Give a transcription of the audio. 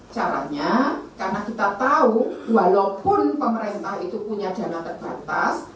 caranya karena kita tahu walaupun pemerintah itu punya dana terbatas